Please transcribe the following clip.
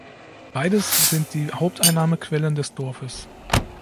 Beides sind die Haupteinnahmequellen des Dorfes.